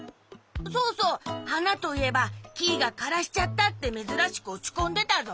そうそうはなといえばキイが「からしちゃった」ってめずらしくおちこんでたぞ。